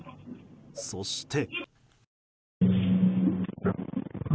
そして。